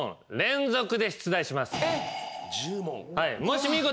もし見事。